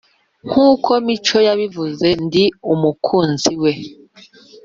nkuko mico yabivuze ndi umukunzi we."